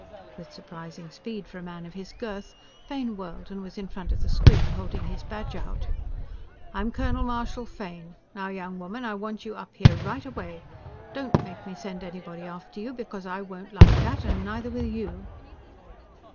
With surprising speed for a man of his girth, Fane whirled and was in front of the screen, holding his badge out. "I'm Colonel Marshal Fane. Now, young woman; I want you up here right away. Don't make me send anybody after you, because I won't like that and neither will you."